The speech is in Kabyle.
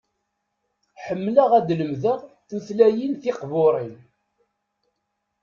Ḥemmleɣ ad lemdeɣ tutlayin tiqbuṛin.